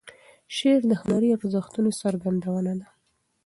شعر د هنري ارزښتونو څرګندونه ده.